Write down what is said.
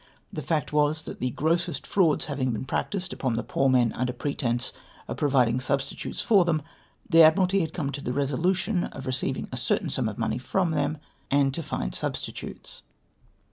The fact was, that the grossest frauds having been practised upon the poor men under pretence of providing substitutes for them, the Admiralty had come to the reso lution of re ceiving a certain sum of money from them, and to find sub stitutes."